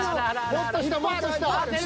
もっと下もっと下。